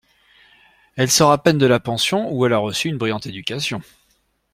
Elle sort à peine de la pension, ou elle a reçu une brillante éducation.